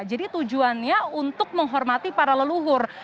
jadi tujuannya untuk menghormati para leluhur